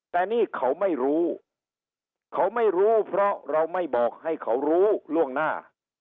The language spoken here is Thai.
แต่นี่เขาไม่รู้เขาไม่รู้เพราะเราไม่บอกให้เขารู้ล่วงหน้า